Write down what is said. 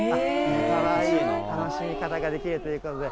かわいい、楽しみ方ができるということで。